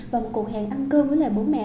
và một cuộc hẹn ăn cơm với bố mẹ